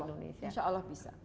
insya allah insya allah bisa